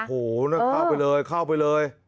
โอ้โหนั่นเข้าไปเลยเข้าไปเลย